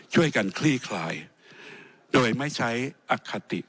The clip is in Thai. คลี่คลายโดยไม่ใช้อคติ